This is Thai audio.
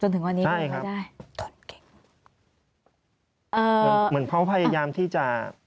จนถึงวันนี้ไม่ได้อีกเลยนะครับเป็นเหมือนเขาพยายามที่จะ